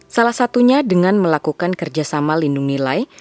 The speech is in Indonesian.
salah satunya dengan melakukan kerjasama lindung nilai